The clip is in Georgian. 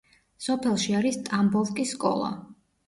სოფელში არის ტამბოვკის სკოლა.